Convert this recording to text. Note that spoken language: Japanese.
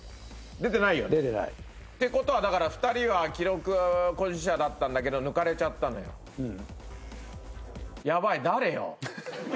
出てないてことはだから２人は記録保持者だったんだけど抜かれちゃったのようんやばい誰よ？